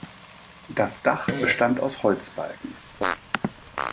Das Dach bestand aus Holzbalken.